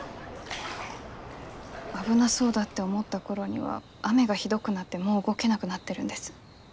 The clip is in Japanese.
危なそうだって思った頃には雨がひどくなってもう動けなくなってるんです。